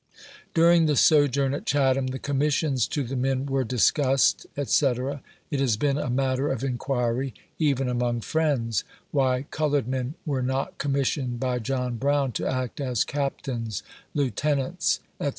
During the sojourn at Chatham, the commissions to the men were discussed, &c. It has been a matter of inquiry, even among friends, why colored men were not commissioned by John Brown to act as captains, lieutenants, &c.